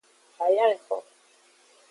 Haya exo.